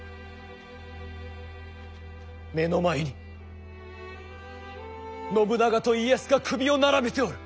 目の前に信長と家康が首を並べておる。